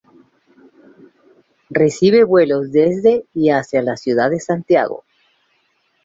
Recibe vuelos desde y hacia la ciudad de Santiago.